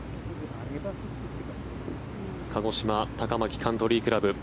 鹿児島高牧カントリークラブ。